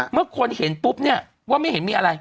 เมื่อคนเห็นปุ๊บเนี่ยว่าไม่เห็นมีอะไร